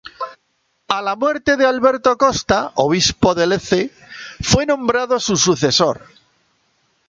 A la muerte de Alberto Costa, obispo de Lecce, fue nombrado su sucesor.